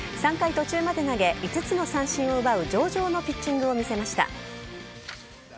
３回途中まで投げ、５つの三振を奪う上々のピッチングを見せました。